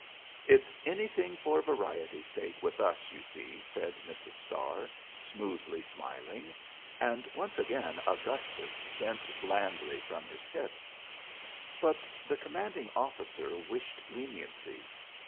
"It's anything for variety's sake with us, you see," said Mrs. Starr, smoothly smiling; and once again Augustus bent blandly from his hips. But the commanding officer wished leniency.